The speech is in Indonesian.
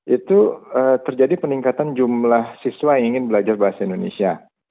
itu terjadi peningkatan jumlah siswa yang ingin belajar bahasa indonesia